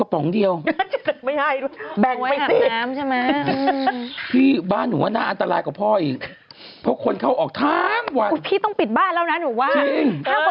ปล่อยอะได้คิดว่าหน้าอันตรายกว่าพ่อเอง